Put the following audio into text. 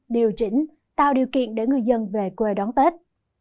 điều chỉnh tạo điều kiện để người dân về quê đón tết